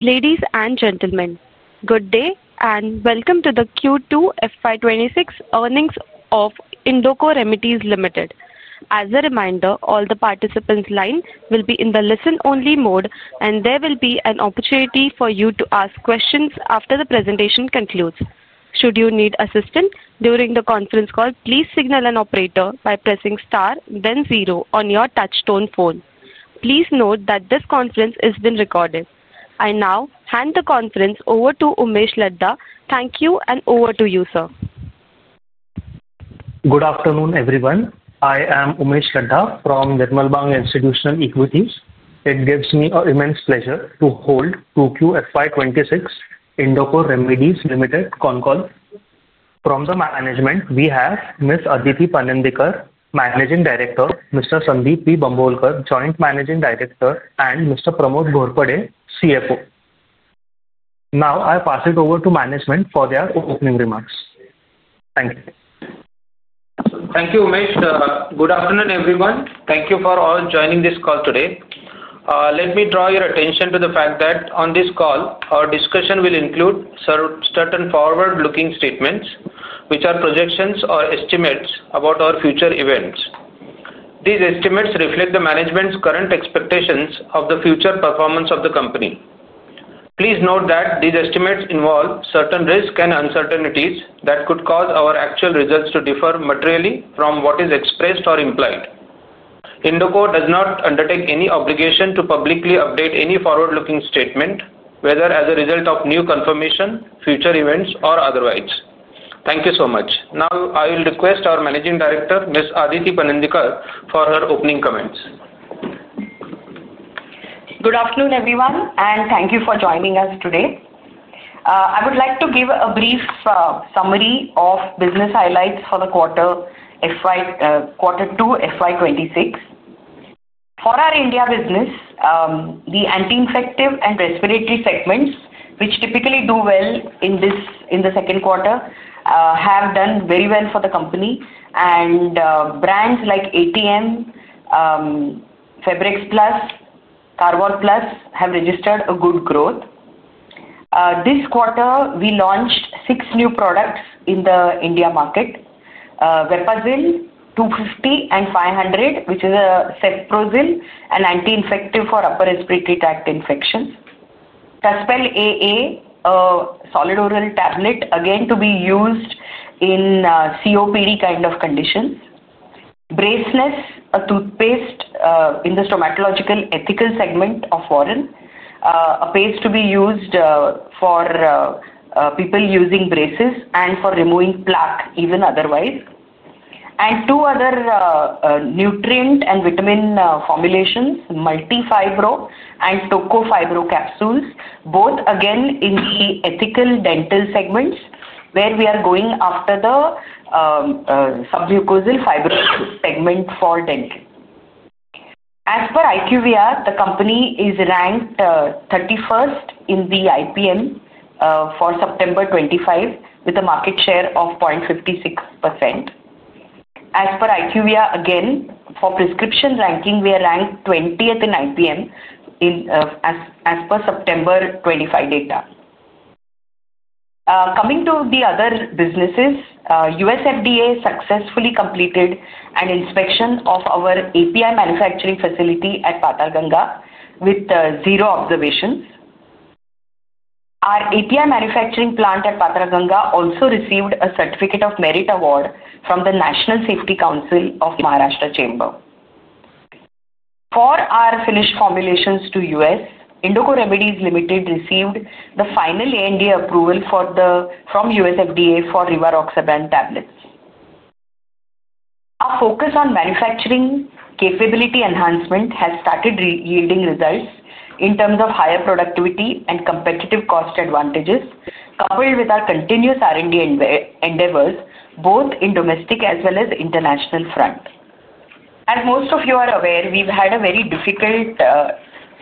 Ladies and gentlemen, good day and welcome to the Q2 FY26 Earnings of Indoco Remedies Limited. As a reminder, all the participants' lines will be in the listen-only mode, and there will be an opportunity for you to ask questions after the presentation concludes. Should you need assistance during the conference call, please signal an operator by pressing star then zero on your touch-tone phone. Please note that this conference is being recorded. I now hand the conference over to Umesh Ladda. Thank you, and over to you, sir. Good afternoon, everyone. I am Umesh Ladda from Nirmal Bang Institutional Equities. It gives me an immense pleasure to hold Q2 FY26 Indoco Remedies Limited conference. From the management, we have Ms. Aditi Panandikar, Managing Director, Mr. Sandeep P. Bambholkar, Joint Managing Director, and Mr. Pramod Ghorpade, CFO. Now, I pass it over to management for their opening remarks. Thank you. Thank you, Umesh. Good afternoon, everyone. Thank you for all joining this call today. Let me draw your attention to the fact that on this call, our discussion will include certain forward-looking statements which are projections or estimates about our future events. These estimates reflect the management's current expectations of the future performance of the company. Please note that these estimates involve certain risks and uncertainties that could cause our actual results to differ materially from what is expressed or implied. Indoco does not undertake any obligation to publicly update any forward-looking statement, whether as a result of new confirmation, future events, or otherwise. Thank you so much. Now, I will request our Managing Director, Ms. Aditi Panandikar, for her opening comments. Good afternoon, everyone, and thank you for joining us today. I would like to give a brief summary of business highlights for the Q2 FY26. For our India business, the anti-infective and respiratory segments, which typically do well in the second quarter, have done very well for the company, and brands like ATM, Febrex Plus, Carval Plus have registered a good growth. This quarter, we launched six new products in the India market. VEPAZIL 250 and 500, which is a cefprozil, an anti-infective for upper respiratory tract infections. Caspell AA, a solid oral tablet, again to be used in COPD kind of conditions. Braceless, a toothpaste in the stomatological ethical segment of Warren, a paste to be used for people using braces and for removing plaque, even otherwise. And two other. Nutrient and vitamin formulations, Multi-Fibro and Toco Fibro capsules, both again in the ethical dental segments where we are going after the submucosal fibrous segment for dental. As per IQVIA, the company is ranked 31st in the IPM for September 2025, with a market share of 0.56%. As per IQVIA, again, for prescription ranking, we are ranked 20th in IPM as per September 25 data. Coming to the other businesses, USFDA successfully completed an inspection of our API manufacturing facility at Patharganga with zero observations. Our API manufacturing plant at Patharganga also received a Certificate of Merit award from the National Safety Council of Maharashtra Chamber. For our finished formulations to US, Indoco Remedies Limited received the final ANDA approval from USFDA for Rivaroxaban tablets. Our focus on manufacturing capability enhancement has started yielding results in terms of higher productivity and competitive cost advantages, coupled with our continuous R&D endeavors, both in domestic as well as international front. As most of you are aware, we've had a very difficult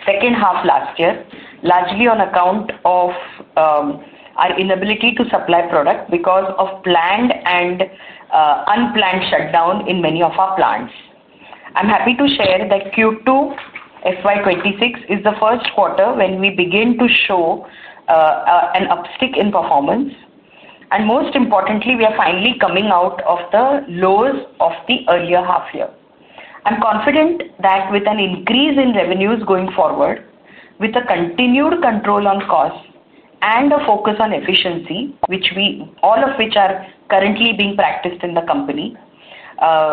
second half last year, largely on account of our inability to supply product because of planned and unplanned shutdown in many of our plants. I'm happy to share that Q2 FY2026 is the first quarter when we begin to show an upstick in performance, and most importantly, we are finally coming out of the lows of the earlier half year. I'm confident that with an increase in revenues going forward, with a continued control on cost and a focus on efficiency, which all of which are currently being practiced in the company.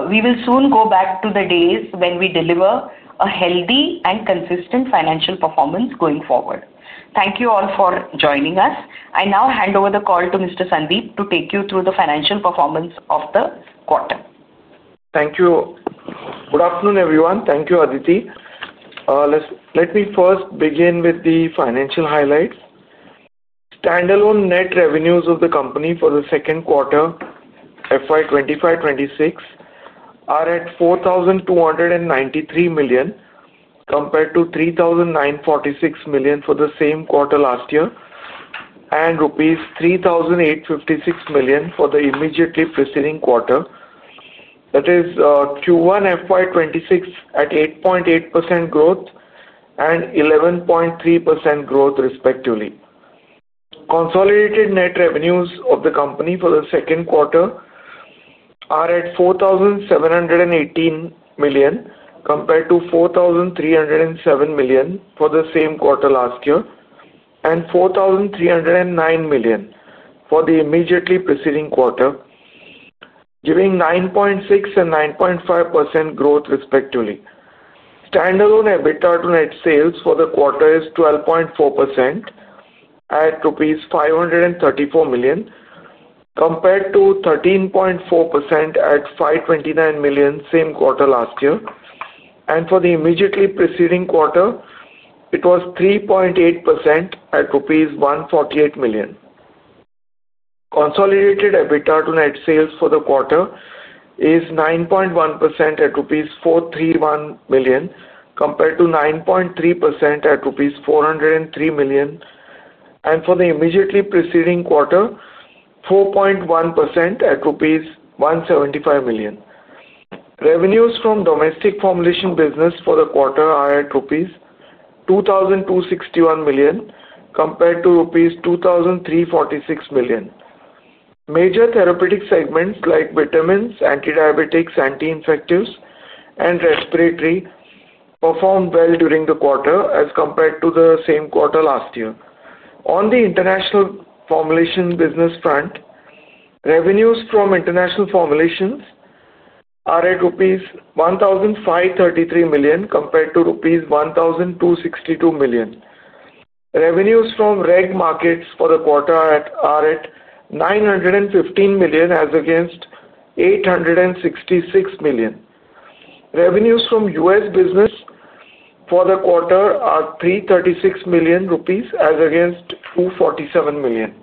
We will soon go back to the days when we deliver a healthy and consistent financial performance going forward. Thank you all for joining us. I now hand over the call to Mr. Sandeep to take you through the financial performance of the quarter. Thank you. Good afternoon, everyone. Thank you, Aditi. Let me first begin with the financial highlights. Standalone net revenues of the company for the second quarter, FY 2025-2026, are at 4,293 million, compared to 3,946 million for the same quarter last year, and rupees 3,856 million for the immediately preceding quarter. That is Q1 FY 2026 at 8.8% growth and 11.3% growth, respectively. Consolidated net revenues of the company for the second quarter are at 4,718 million compared to 4,307 million for the same quarter last year and 4,309 million for the immediately preceding quarter, giving 9.6% and 9.5% growth, respectively. Standalone EBITDA to net sales for the quarter is 12.4% at rupees 534 million, compared to 13.4% at 529 million same quarter last year. For the immediately preceding quarter, it was 3.8% at rupees 148 million. Consolidated EBITDA to net sales for the quarter is 9.1% at rupees 431 million compared to 9.3% at rupees 403 million. For the immediately preceding quarter, 4.1% at rupees 175 million. Revenues from domestic formulation business for the quarter are at rupees 2,261 million compared to rupees 2,346 million. Major therapeutic segments like vitamins, anti-diabetics, anti-infectives, and respiratory performed well during the quarter as compared to the same quarter last year. On the international formulation business front, revenues from international formulations are at rupees 1,533 million compared to rupees 1,262 million. Revenues from reg markets for the quarter are at 915 million as against 866 million. Revenues from US business for the quarter are 336 million rupees as against 247 million.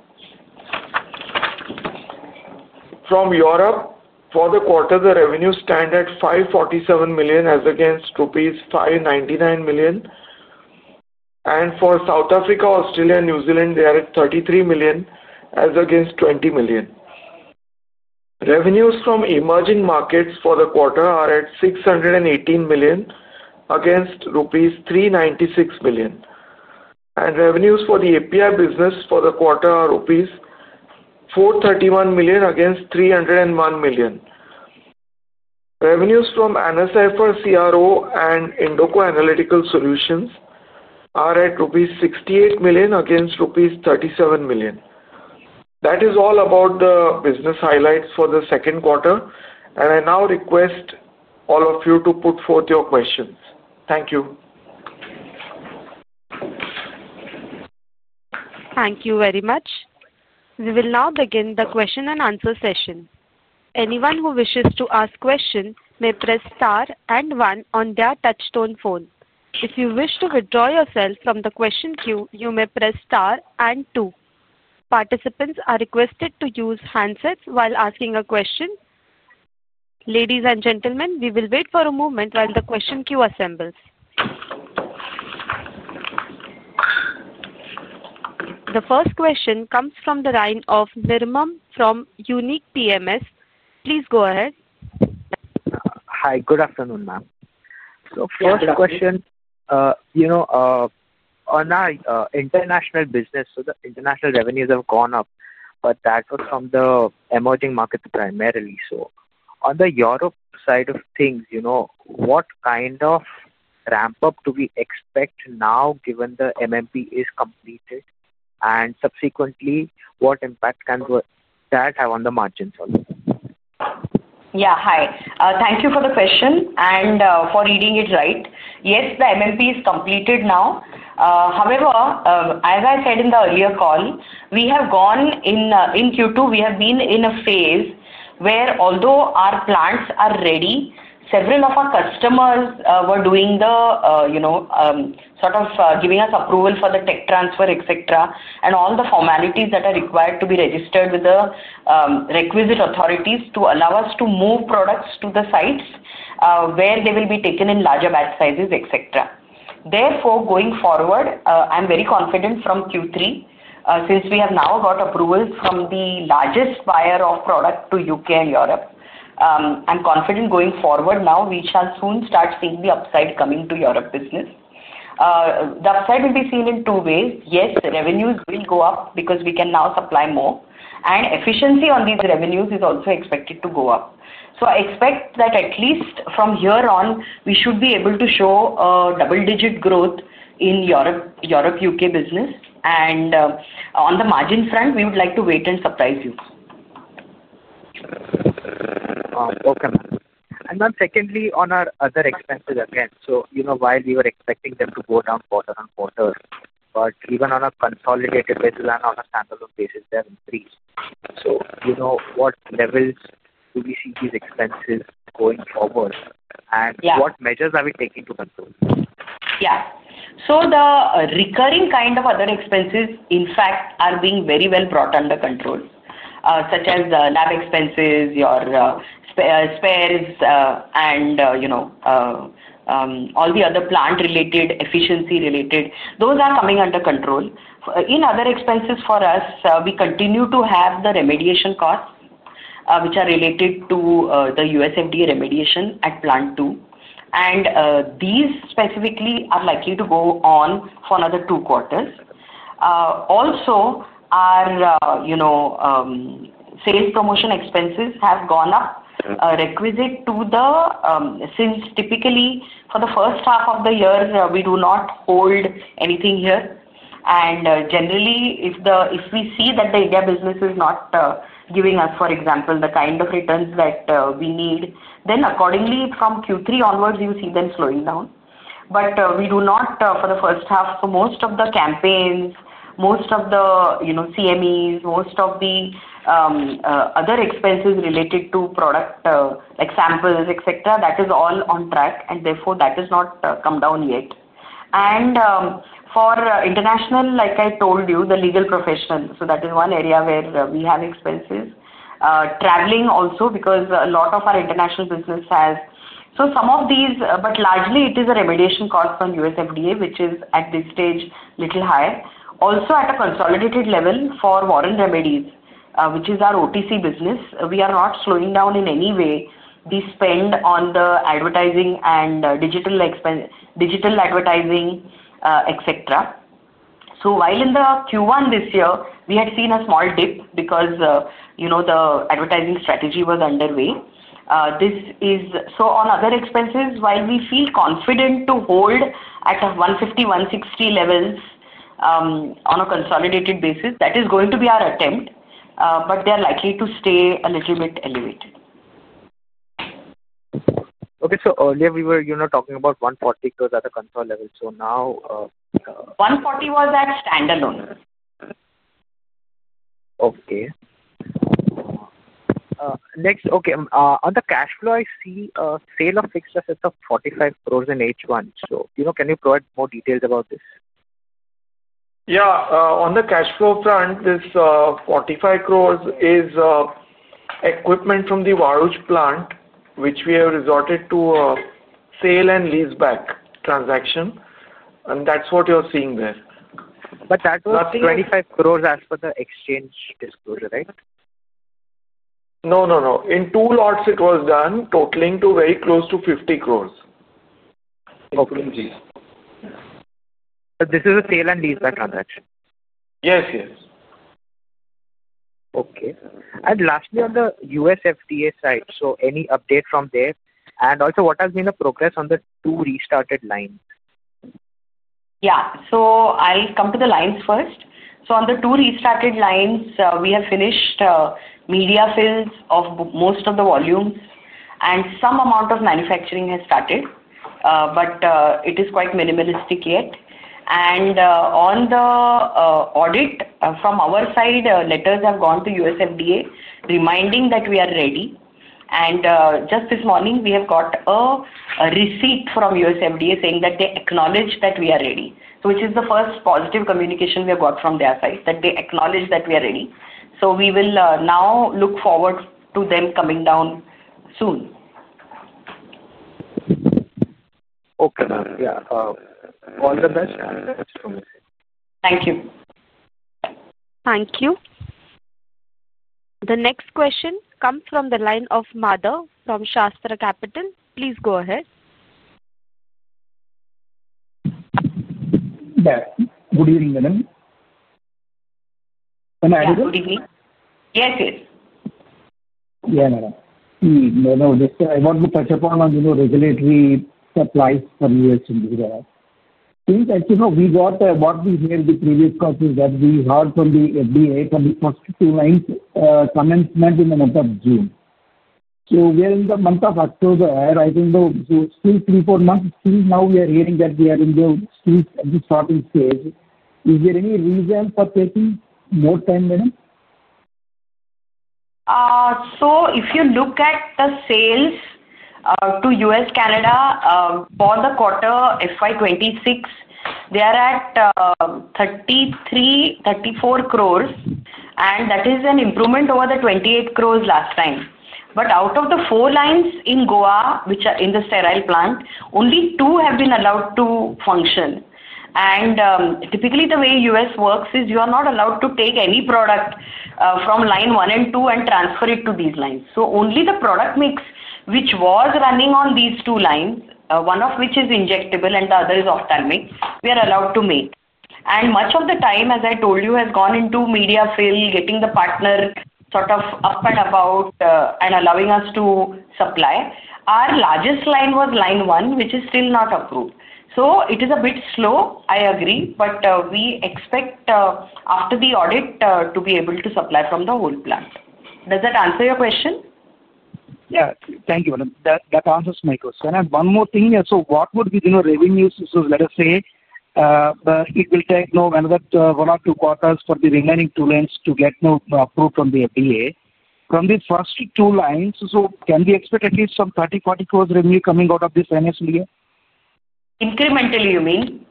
From Europe, for the quarter, the revenues stand at 547 million as against rupees 599 million. For South Africa, Australia, and New Zealand, they are at 33 million as against 20 million. Revenues from emerging markets for the quarter are at 618 million against rupees 396 million. Revenues for the API business for the quarter are rupees 431 million against 301 million. Revenues from NSIFR CRO and Indoco Analytical Solutions are at rupees 68 million against rupees 37 million. That is all about the business highlights for the second quarter, and I now request all of you to put forth your questions. Thank you. Thank you very much. We will now begin the question and answer session. Anyone who wishes to ask questions may press star and one on their touch-tone phone. If you wish to withdraw yourself from the question queue, you may press star and two. Participants are requested to use handsets while asking a question. Ladies and gentlemen, we will wait for a moment while the question queue assembles. The first question comes from the line of Umesh Ladda from Nirmal Bang Institutional Equities. Please go ahead. Hi, good afternoon, ma'am. First question. On our international business, the international revenues have gone up, but that was from the emerging market primarily. On the Europe side of things, what kind of ramp-up do we expect now, given the MMP is completed, and subsequently, what impact can that have on the margins? Yeah, hi. Thank you for the question and for reading it right. Yes, the MMP is completed now. However, as I said in the earlier call, we have gone in Q2, we have been in a phase where, although our plants are ready, several of our customers were doing the sort of giving us approval for the tech transfer, etc., and all the formalities that are required to be registered with the requisite authorities to allow us to move products to the sites where they will be taken in larger batch sizes, etc. Therefore, going forward, I'm very confident from Q3, since we have now got approvals from the largest buyer of product to U.K. and Europe. I'm confident going forward now, we shall soon start seeing the upside coming to Europe business. The upside will be seen in two ways. Yes, revenues will go up because we can now supply more, and efficiency on these revenues is also expected to go up. I expect that at least from here on, we should be able to show a Double-Digit Growth in Europe-U.K. business, and on the margin front, we would like to wait and surprise you. Secondly, on our other expenses again, while we were expecting them to go down quarter on quarter, even on a consolidated basis and on a standalone basis, they have increased. What levels do we see these expenses going forward, and what measures are we taking to control? Yeah. So the recurring kind of other expenses, in fact, are being very well brought under control, such as lab expenses, your spares, and all the other plant-related efficiency-related. Those are coming under control. In other expenses for us, we continue to have the remediation costs, which are related to the USFDA remediation at plant two, and these specifically are likely to go on for another two quarters. Also, our sales promotion expenses have gone up requisite to the. Since typically, for the first half of the year, we do not hold anything here. Generally, if we see that the India business is not giving us, for example, the kind of returns that we need, then accordingly, from Q3 onwards, you see them slowing down. We do not, for the first half, for most of the campaigns, most of the CMEs, most of the. Other expenses related to product samples, etc., that is all on track, and therefore, that has not come down yet. For international, like I told you, the legal profession, that is one area where we have expenses. Traveling also, because a lot of our international business has. Some of these, but largely, it is a remediation cost on USFDA, which is at this stage a little higher. Also, at a consolidated level for Warren Remedies, which is our OTC business, we are not slowing down in any way. We spend on the advertising and digital. Advertising, etc. While in Q1 this year, we had seen a small dip because the advertising strategy was underway. On other expenses, while we feel confident to hold at 150-160 levels. On a consolidated basis, that is going to be our attempt, but they are likely to stay a little bit elevated. Okay, so earlier, we were talking about 140 because at a consolidated level. So now. 140 was at standalone. Okay. Next, okay, on the cash flow, I see a sale of fixed assets of 45 crore in H1. Can you provide more details about this? Yeah, on the cash flow front, this 45 crore is equipment from the Wadu plant, which we have resorted to sale and lease-back transaction. That's what you're seeing there. That was 25 crore as per the exchange disclosure, right? No, no, no. In two lots, it was done, totaling to very close to 50 crore. Okay. But this is a sale and lease-back transaction? Yes, yes. Okay. Lastly, on the USFDA side, any update from there? Also, what has been the progress on the two restarted lines? Yeah, so I'll come to the lines first. On the two restarted lines, we have finished media fills of most of the volumes, and some amount of manufacturing has started, but it is quite minimalistic yet. On the audit from our side, letters have gone to USFDA reminding that we are ready. Just this morning, we have got a receipt from USFDA saying that they acknowledge that we are ready, which is the first positive communication we have got from their side, that they acknowledge that we are ready. We will now look forward to them coming down soon. Okay. Yeah. All the best. Thank you. Thank you. The next question comes from the line of Madhav from Shastra Capital. Please go ahead. Yes. Good evening, madam. Good evening. Yes, yes. Yeah, madam. No, no. I want to touch upon on the regulatory supplies for U.S. and India. Since actually, we got what we heard the previous call is that we heard from the FDA from the first two lines commence in the month of June. So we are in the month of October, right? In the still three, four months, still now we are hearing that we are in the still at the starting stage. Is there any reason for taking more time, madam? If you look at the sales to US, Canada, for the quarter FY2026, they are at 33 crore, 34 crore, and that is an improvement over the 28 crore last time. Out of the four lines in Goa, which are in the sterile plant, only two have been allowed to function. Typically, the way US works is you are not allowed to take any product from line one and two and transfer it to these lines. Only the product mix, which was running on these two lines, one of which is injectable and the other is ophthalmic, we are allowed to make. Much of the time, as I told you, has gone into media fill, getting the partner sort of up and about and allowing us to supply. Our largest line was line one, which is still not approved. It is a bit slow, I agree, but we expect after the audit to be able to supply from the whole plant. Does that answer your question? Yeah. Thank you, madam. That answers my question. One more thing. What would be the revenues? Let us say it will take another one or two quarters for the remaining two lines to get approved from the FDA. From the first two lines, can we expect at least 30 crore to 40 crore revenue coming out of this NSDA? Incrementally, you mean?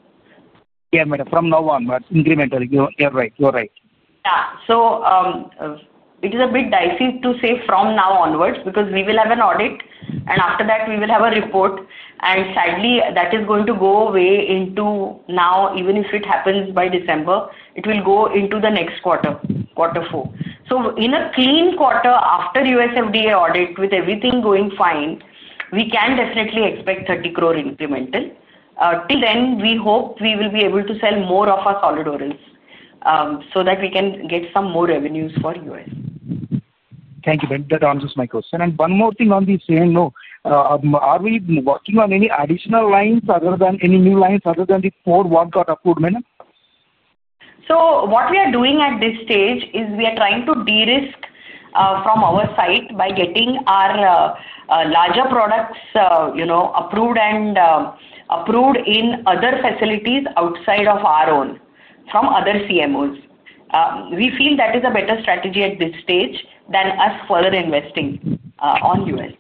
Yeah, madam. From now onwards, incrementally. You're right. You're right. Yeah. It is a bit dicey to say from now onwards because we will have an audit, and after that, we will have a report. Sadly, that is going to go away into now, even if it happens by December, it will go into the next quarter, quarter four. In a clean quarter after USFDA audit, with everything going fine, we can definitely expect 30 crores incremental. Till then, we hope we will be able to sell more of our solid orals so that we can get some more revenues for U.S. Thank you, madam. That answers my question. One more thing on the same, are we working on any additional lines, any new lines other than the four one-cut approved, madam? What we are doing at this stage is we are trying to de-risk from our side by getting our larger products approved and approved in other facilities outside of our own from other CMOs. We feel that is a better strategy at this stage than us further investing on U.S.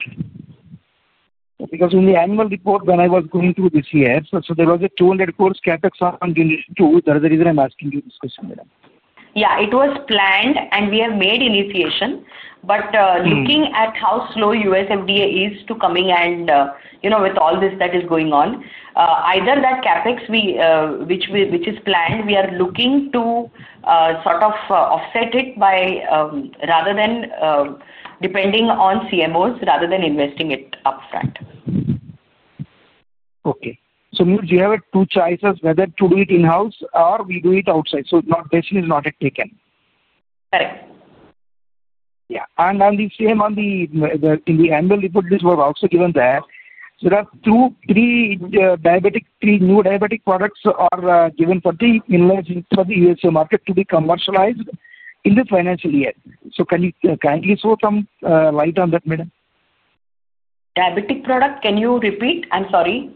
Because in the annual report, when I was going through this year, there was an 200 crore CapEx on unit two. That is the reason I'm asking you this question, madam. Yeah, it was planned, and we have made initiation. Looking at how slow USFDA is to coming and with all this that is going on, either that CapEx which is planned, we are looking to sort of offset it by, rather than depending on CMOs, rather than investing it upfront. Okay. Do you have two choices? Whether to do it in-house or we do it outside? Decision is not taken. Correct. Yeah. On the same, on the annual report, this was also given that there are three new diabetic products are given for the US market to be commercialized in the financial year. Can you kindly throw some light on that, madam? Diabetic product, can you repeat? I'm sorry.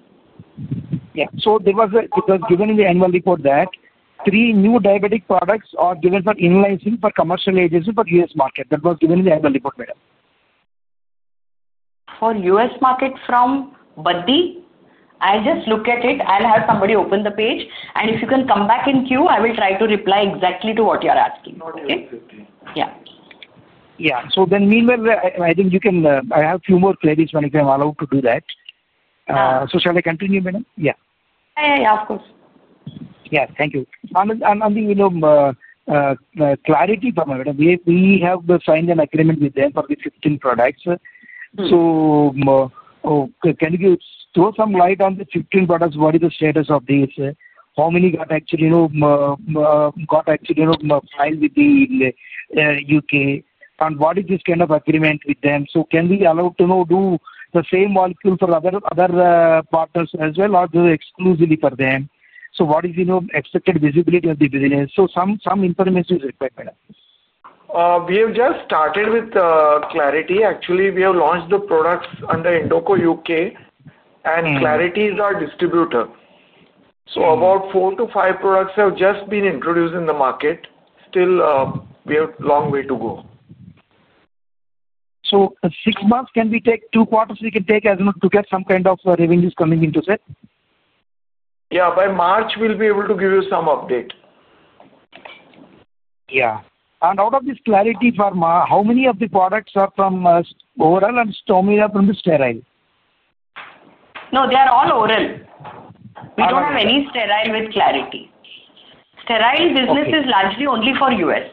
Yeah. It was given in the annual report that three new diabetic products are given for enhancing for commercial agency for US market. That was given in the annual report, madam. For US market from Baddi? I'll just look at it. I'll have somebody open the page. If you can come back in queue, I will try to reply exactly to what you are asking. Okay? Yeah. Yeah. Meanwhile, I think you can. I have a few more queries when you are allowed to do that. Shall I continue, madam? Yeah. Yeah, of course. Yeah. Thank you. On the Clarity point, madam, we have signed an agreement with them for the 15 products. Can you throw some light on the 15 products? What is the status of these? How many got actually filed with the U.K.? What is this kind of agreement with them? Can we allow to do the same molecule for other partners as well or exclusively for them? What is the expected visibility of the business? Some information is required, madam. We have just started with Clarity. Actually, we have launched the products under Indoco U.K. and Clarity is our distributor. About four to five products have just been introduced in the market. Still, we have a long way to go. Six months, can we take two quarters? We can take as to get some kind of revenues coming into it? Yeah. By March, we'll be able to give you some update. Yeah. And out of this Clarity Pharma, how many of the products are from oral and how many from the sterile? No, they are all oral. We do not have any sterile with Clarity. Sterile business is largely only for US.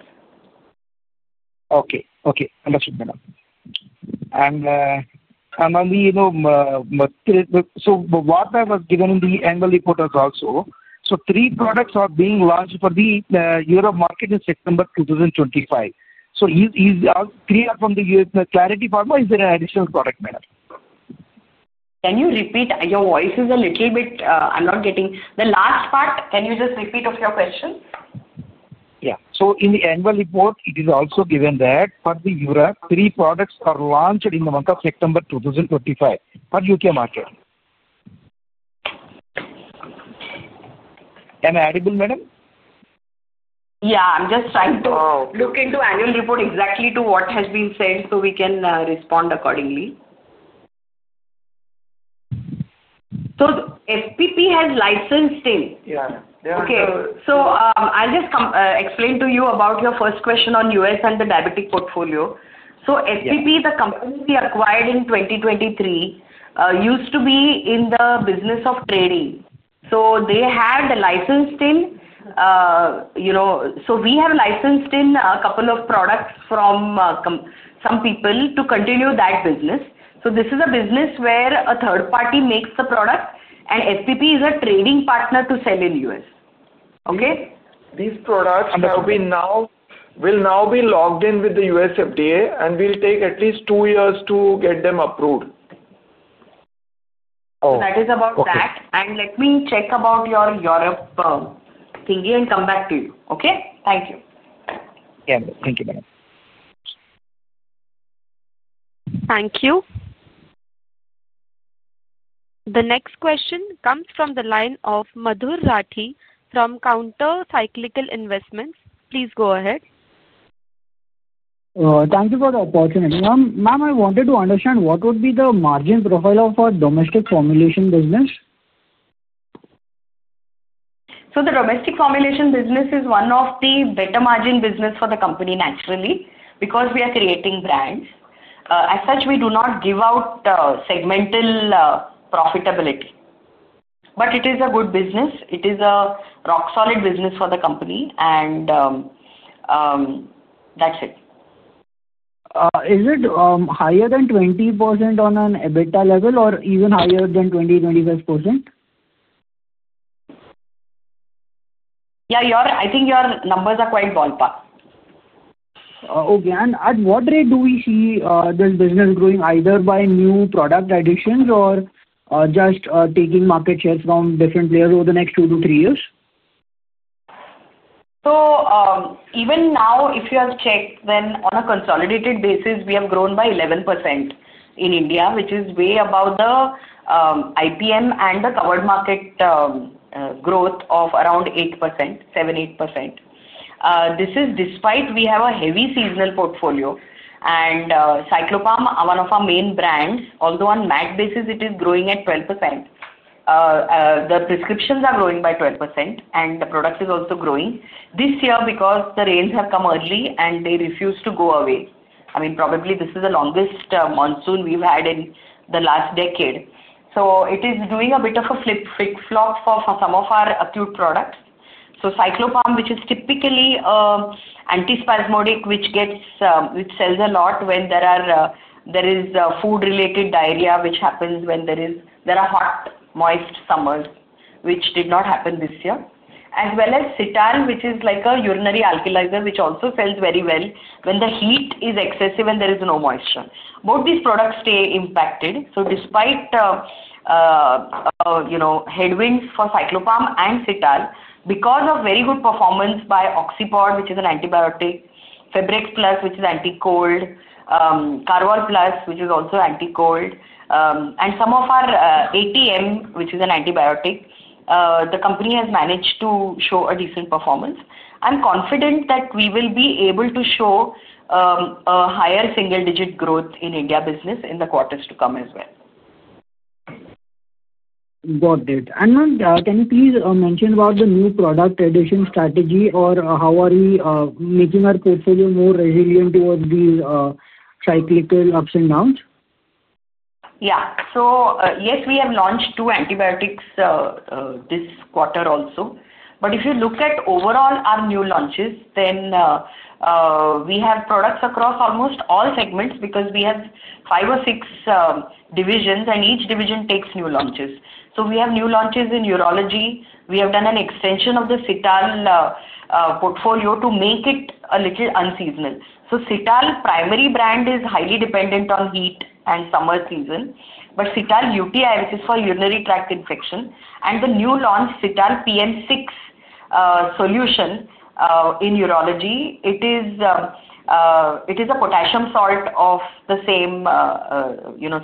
Okay. Okay. Understood, madam. What I was given in the annual report was also, three products are being launched for the Europe market in September 2025. Three are from Clarity Pharma. Is there an additional product, madam? Can you repeat? Your voice is a little bit, I'm not getting. The last part, can you just repeat your question? Yeah. So in the annual report, it is also given that for Europe, three products are launched in the month of September 2025 for U.K. market. And addable, madam? Yeah. I'm just trying to look into the annual report exactly to what has been said so we can respond accordingly. FPP has licensed in. Yeah, madam. They are in. Okay. I'll just explain to you about your first question on U.S. and the diabetic portfolio. FPP, the company we acquired in 2023, used to be in the business of trading. They had licensed in. We have licensed in a couple of products from some people to continue that business. This is a business where a third party makes the product, and FPP is a trading partner to sell in U.S. Okay? These products will now be logged in with the USFDA, and we'll take at least two years to get them approved. That is about that. Let me check about your Europe thingy and come back to you. Okay? Thank you. Yeah. Thank you, madam. Thank you. The next question comes from the line of Madhur Rathi from Countercyclical Investments. Please go ahead. Thank you for the opportunity. Ma'am, I wanted to understand what would be the margin profile of our domestic formulation business? The domestic formulation business is one of the better margin businesses for the company, naturally, because we are creating brands. As such, we do not give out segmental profitability. It is a good business. It is a rock-solid business for the company. That is it. Is it higher than 20% on an EBITDA level or even higher than 20-25%? Yeah. I think your numbers are quite ballpark. Okay. At what rate do we see this business growing, either by new product additions or just taking market shares from different players over the next two to three years? Even now, if you have checked, then on a consolidated basis, we have grown by 11% in India, which is way above the IPM and the covered market growth of around 8%, 7% to8%. This is despite we have a heavy seasonal portfolio. And Cyclopharm, one of our main brands, although on a MAC basis, it is growing at 12%. The prescriptions are growing by 12%, and the product is also growing. This year, because the rains have come early and they refused to go away, I mean, probably this is the longest monsoon we have had in the last decade. It is doing a bit of a flip flop for some of our acute products. Cyclopharm, which is typically an antispasmodic, which. Sells a lot when there is food-related diarrhea, which happens when there are hot, moist summers, which did not happen this year, as well as Cytal, which is like a urinary alkalizer, which also sells very well when the heat is excessive and there is no moisture. Both these products stay impacted. Despite headwinds for Cyclopharm and Cytal, because of very good performance by OxyPod, which is an antibiotic, Febrex Plus, which is anti-cold, Carval Plus, which is also anti-cold, and some of our ATM, which is an antibiotic, the company has managed to show a decent performance. I'm confident that we will be able to show a higher single-digit growth in India business in the quarters to come as well. Got it. Ma'am, can you please mention about the new product addition strategy or how are we making our portfolio more resilient towards these cyclical ups and downs? Yeah. Yes, we have launched two antibiotics this quarter also. If you look at overall our new launches, then we have products across almost all segments because we have five or six divisions, and each division takes new launches. We have new launches in urology. We have done an extension of the Cytal portfolio to make it a little unseasonal. Cytal primary brand is highly dependent on heat and summer season, but Cytal UTI, which is for urinary tract infection, and the new launch Cytal-PM6 solution in urology, it is a potassium salt of the same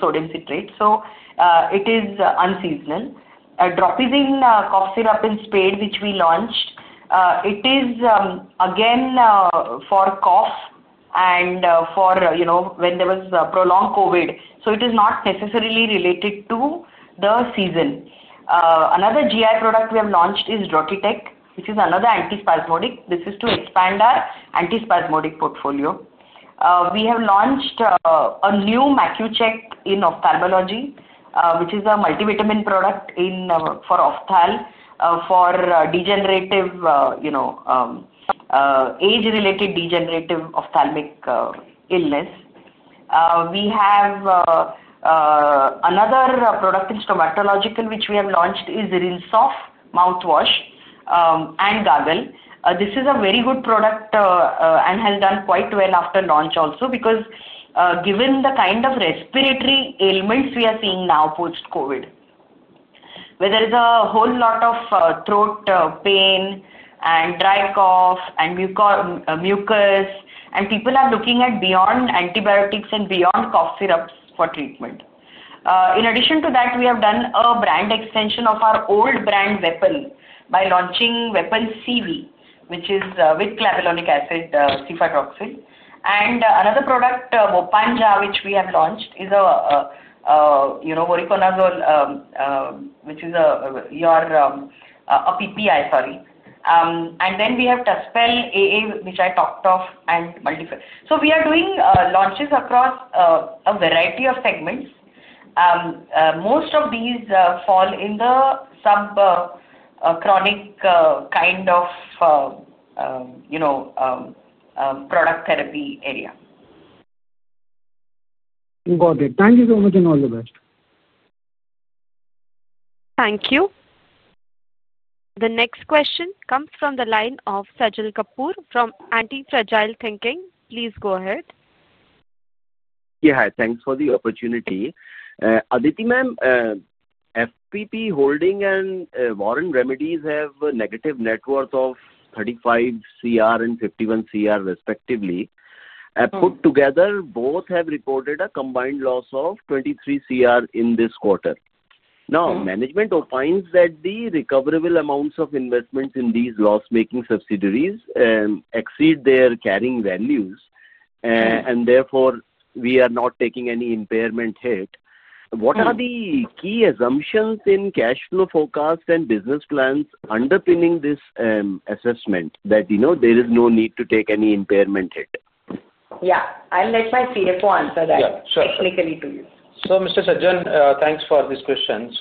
sodium citrate, so it is unseasonal. Dropizine cough syrup in spray, which we launched, it is again for cough and for when there was prolonged COVID, so it is not necessarily related to the season. Another GI product we have launched is DrotiTech, which is another antispasmodic. This is to expand our antispasmodic portfolio. We have launched a new MacuChek in ophthalmology, which is a multivitamin product for ophthalmology for age-related degenerative ophthalmic illness. We have another product in stomatological, which we have launched, is Rilsoft mouthwash and gargle. This is a very good product and has done quite well after launch also because given the kind of respiratory ailments we are seeing now post-COVID, where there is a whole lot of throat pain and dry cough and mucus, and people are looking at beyond antibiotics and beyond cough syrups for treatment. In addition to that, we have done a brand extension of our old brand Weapon by launching Weapon CV, which is with clavulanic acid, cefuroxime. Another product, Vopanja, which we have launched, is a voriconazole, which is your PPI, sorry. Then we have Tuspel AA, which I talked of, and. We are doing launches across a variety of segments. Most of these fall in the subchronic kind of product therapy area. Got it. Thank you so much and all the best. Thank you. The next question comes from the line of Sajal Kapoor from Anti-Fragile Thinking. Please go ahead. Yeah. Thanks for the opportunity. Aditi ma'am. FPP Holding and Warren Remedies have a negative net worth of 35 crore and 51 crore, respectively. Put together, both have reported a combined loss of 23 crore in this quarter. Now, management opines that the recoverable amounts of investments in these loss-making subsidiaries exceed their carrying values, and therefore, we are not taking any impairment hit. What are the key assumptions in cash flow forecasts and business plans underpinning this assessment that there is no need to take any impairment hit? Yeah. I'll let my CFO answer that technically to you. Yeah. Sure. Mr. Sajan, thanks for this question.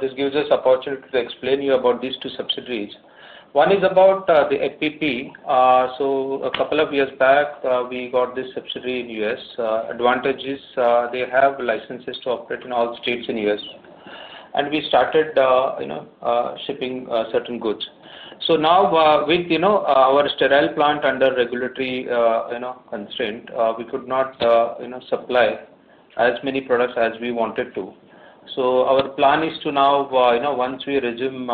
This gives us the opportunity to explain to you about these two subsidiaries. One is about the FPP. A couple of years back, we got this subsidiary in the U.S.. The advantage is they have licenses to operate in all states in the US. We started shipping certain goods. Now, with our sterile plant under regulatory constraint, we could not supply as many products as we wanted to. Our plan is to, once we resume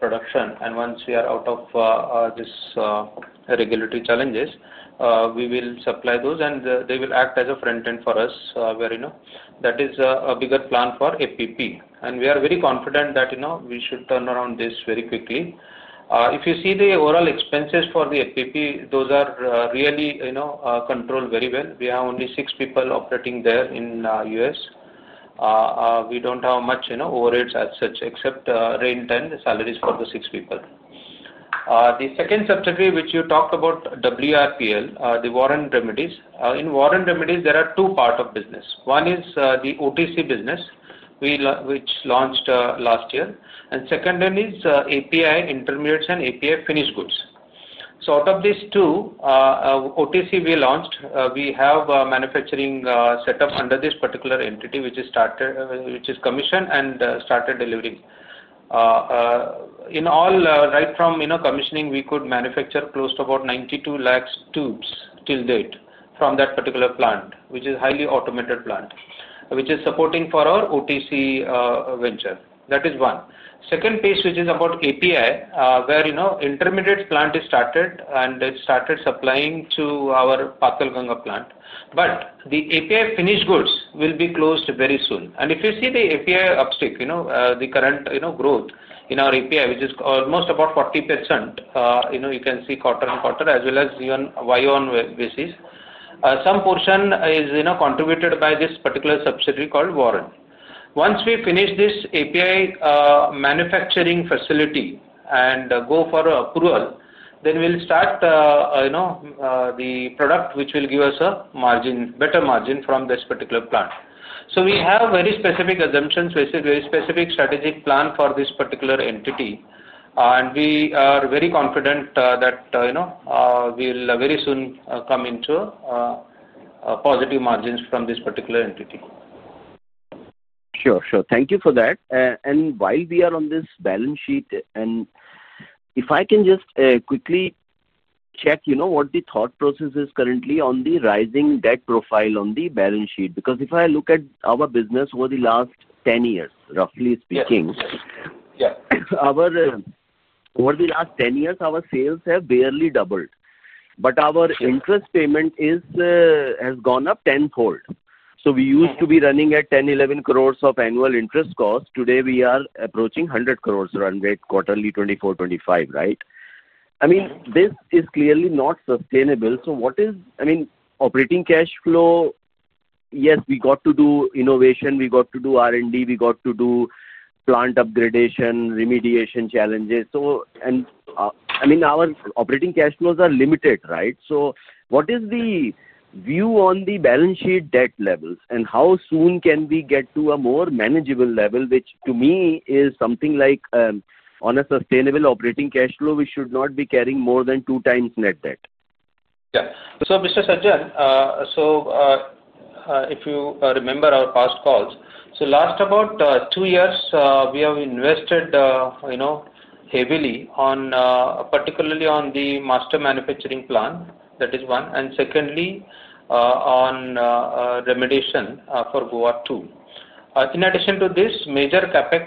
production and once we are out of this regulatory challenge, we will supply those, and they will act as a front end for us where that is a bigger plan for FPP. We are very confident that we should turn around this very quickly. If you see the overall expenses for the FPP, those are really controlled very well. We have only six people operating there in the U.S.. We do not have much overheads as such, except rent and salaries for the six people. The second subsidiary, which you talked about, WRPL, the Warren Remedies, in Warren Remedies, there are two parts of business. One is the OTC business, which launched last year. And second one is API intermediates and API finished goods. So out of these two, OTC we launched, we have a manufacturing setup under this particular entity, which is commissioned and started delivering. In all, right from commissioning, we could manufacture close to about 9.2 million tubes till date from that particular plant, which is a highly automated plant, which is supporting for our OTC venture. That is one. Second piece, which is about API, where intermediate plant is started and started supplying to our Patharganga plant. The API finished goods will be closed very soon. If you see the API uptick, the current growth in our API, which is almost about 40%, you can see quarter on quarter, as well as even year on year basis. Some portion is contributed by this particular subsidiary called Warren. Once we finish this API manufacturing facility and go for approval, then we'll start. The product, which will give us a better margin from this particular plant. We have very specific assumptions, very specific strategic plan for this particular entity. We are very confident that we will very soon come into positive margins from this particular entity. Sure. Sure. Thank you for that. While we are on this balance sheet, if I can just quickly check what the thought process is currently on the rising debt profile on the balance sheet. Because if I look at our business over the last 10 years, roughly speaking, over the last 10 years, our sales have barely doubled, but our interest payment has gone up tenfold. We used to be running at 10-11 crore of annual interest cost. Today, we are approaching 100 crore, around quarterly 2024, 2025, right? I mean, this is clearly not sustainable. What is, I mean, operating cash flow? Yes, we got to do innovation, we got to do R&D, we got to do plant upgradation, remediation challenges. I mean, our operating cash flows are limited, right? What is the view on the balance sheet debt levels? How soon can we get to a more manageable level, which to me is something like on a sustainable operating cash flow, we should not be carrying more than two times net debt. Yeah. Mr. Sajan, if you remember our past calls, the last about two years, we have invested heavily, particularly on the master manufacturing plant. That is one. Secondly, on remediation for Goa 2. In addition to this, major CapEx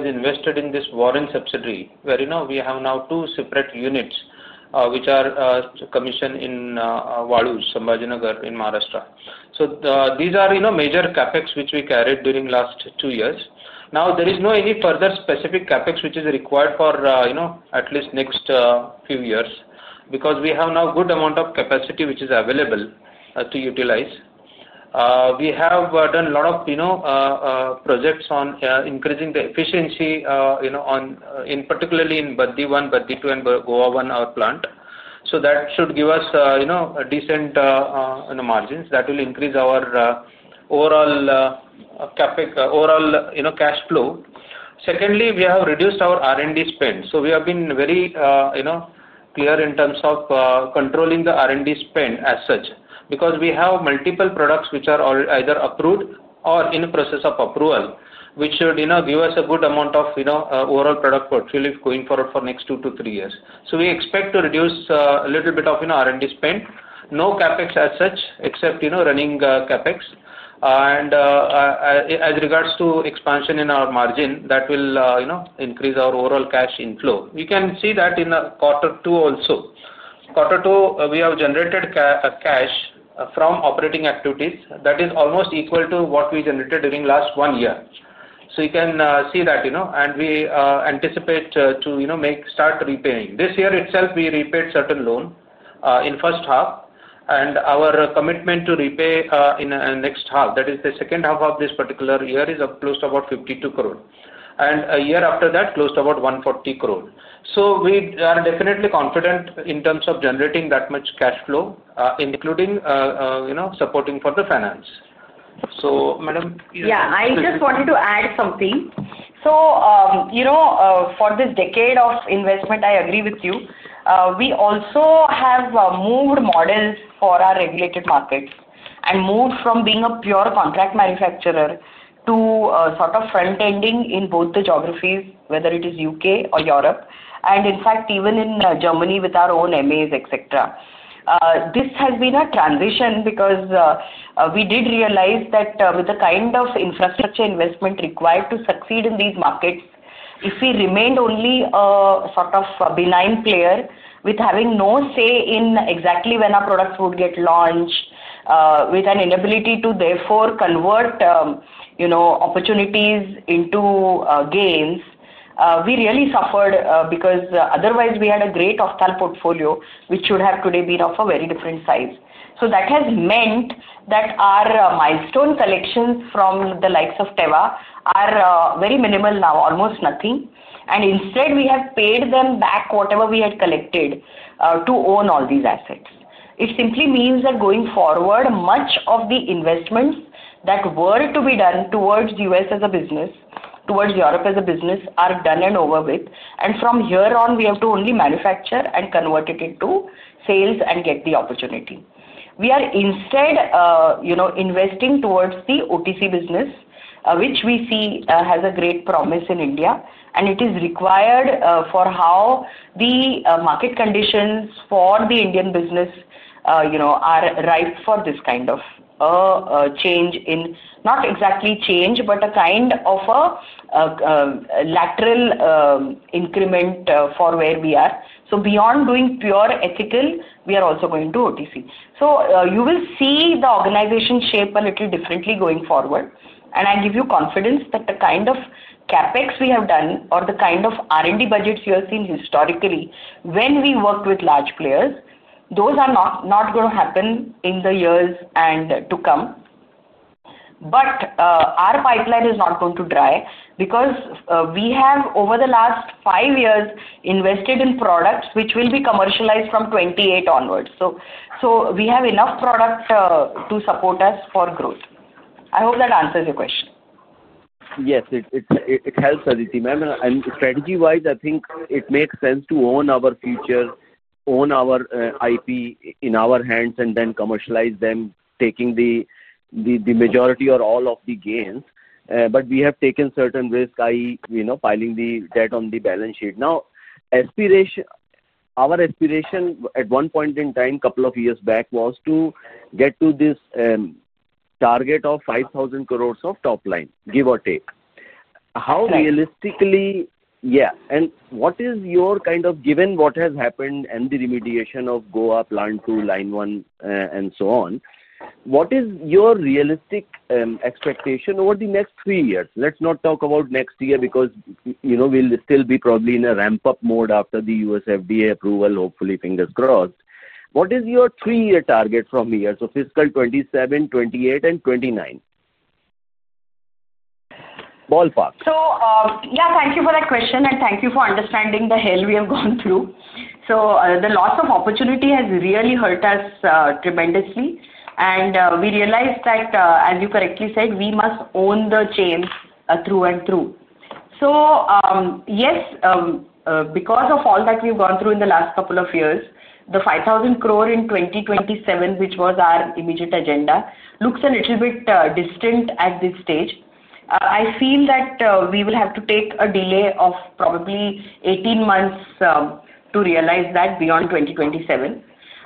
is invested in this Warren subsidiary, where we have now two separate units, which are commissioned in Wadu, Sambhajinagar in Maharashtra. These are major CapEx, which we carried during the last two years. Now, there is no any further specific CapEx, which is required for at least the next few years, because we have now a good amount of capacity, which is available to utilize. We have done a lot of projects on increasing the efficiency, particularly in Baddi 1, Baddi 2, and Goa 1, our plant. That should give us decent margins that will increase our overall CapEx, overall cash flow. Secondly, we have reduced our R&D spend. We have been very clear in terms of controlling the R&D spend as such, because we have multiple products, which are either approved or in the process of approval, which should give us a good amount of overall product portfolio going forward for the next two to three years. We expect to reduce a little bit of R&D spend. No CapEx as such, except running CapEx. As regards to expansion in our margin, that will increase our overall cash inflow. You can see that in quarter two also. Q2, we have generated cash from operating activities. That is almost equal to what we generated during the last one year. You can see that. We anticipate to start repaying. This year itself, we repaid certain loans in the first half. Our commitment to repay in the next half, that is the second half of this particular year, is close to about 520 million. A year after that, close to about 1,400 million. We are definitely confident in terms of generating that much cash flow, including supporting for the finance. Ma'am. Yeah. I just wanted to add something. For this decade of investment, I agree with you. We also have moved models for our regulated markets and moved from being a pure contract manufacturer to sort of front-ending in both the geographies, whether it is U.K. or Europe. In fact, even in Germany with our own MAs, etc. This has been a transition because we did realize that with the kind of infrastructure investment required to succeed in these markets, if we remained only a sort of a benign player with having no say in exactly when our products would get launched, with an inability to therefore convert opportunities into gains, we really suffered because otherwise we had a great ophthalmology portfolio, which should have today been of a very different size. That has meant that our milestone collections from the likes of Teva are very minimal now, almost nothing. Instead, we have paid them back whatever we had collected to own all these assets. It simply means that going forward, much of the investments that were to be done towards the US as a business, towards Europe as a business, are done and over with. From here on, we have to only manufacture and convert it into sales and get the opportunity. We are instead investing towards the OTC business, which we see has a great promise in India. It is required for how the market conditions for the Indian business are ripe for this kind of change in, not exactly change, but a kind of a lateral increment for where we are. Beyond doing pure ethical, we are also going to OTC. You will see the organization shape a little differently going forward. I give you confidence that the kind of CapEx we have done or the kind of R&D budgets you have seen historically when we worked with large players, those are not going to happen in the years to come. Our pipeline is not going to dry because we have, over the last five years, invested in products which will be commercialized from 2028 onwards. We have enough product to support us for growth. I hope that answers your question. Yes. It helps, Aditi ma'am. Strategy-wise, I think it makes sense to own our future, own our IP in our hands, and then commercialize them, taking the majority or all of the gains. We have taken certain risks, filing the debt on the balance sheet. Now, our aspiration at one point in time, a couple of years back, was to get to this target of 5,000 crore of top line, give or take. How realistically? Yeah. What is your kind of, given what has happened and the remediation of Goa plant to line one and so on, what is your realistic expectation over the next three years? Let's not talk about next year because we'll still be probably in a ramp-up mode after the USFDA approval, hopefully, fingers crossed. What is your three-year target from here? Fiscal 2027, 2028, and 2029? Ballpark. Yeah, thank you for that question. Thank you for understanding the hell we have gone through. The loss of opportunity has really hurt us tremendously. We realized that, as you correctly said, we must own the chain through and through. Yes, because of all that we have gone through in the last couple of years, the 5,000 crore in 2027, which was our immediate agenda, looks a little bit distant at this stage. I feel that we will have to take a delay of probably 18 months to realize that beyond 2027.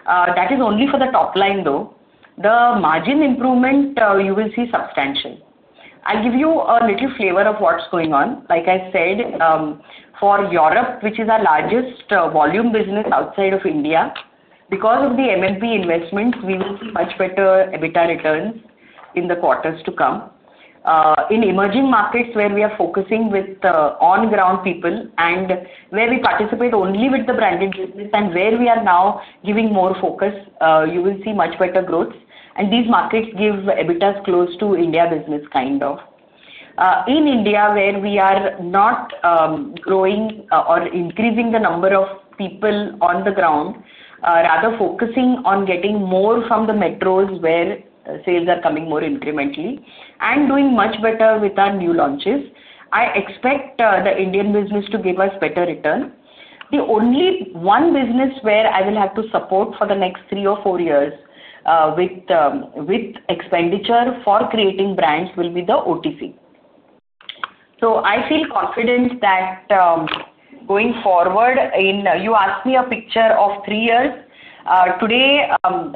That is only for the top line, though. The margin improvement, you will see substantial. I'll give you a little flavor of what's going on. Like I said. For Europe, which is our largest volume business outside of India, because of the MMP investments, we will see much better EBITDA returns in the quarters to come. In emerging markets where we are focusing with on-ground people and where we participate only with the branded business and where we are now giving more focus, you will see much better growth. These markets give EBITDAs close to India business kind of. In India, where we are not growing or increasing the number of people on the ground, rather focusing on getting more from the metros where sales are coming more incrementally and doing much better with our new launches, I expect the Indian business to give us better return. The only one business where I will have to support for the next three or four years with expenditure for creating brands will be the OTC. I feel confident that, going forward, you asked me a picture of three years. Today,